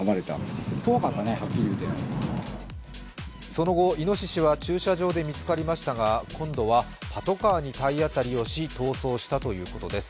その後、いのししは駐車場で見つかりましたが今度はパトカーに体当たりをし逃走をしたということです。